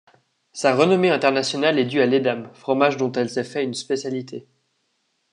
Sa renommée internationale est due à l'Edam, fromage dont elle s'est fait une spécialité.